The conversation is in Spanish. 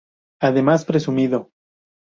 Además presumido.